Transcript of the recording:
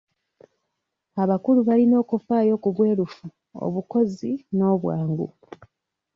Abakulu balina okufaayo ku bwerufu, obukozi n'obwangu.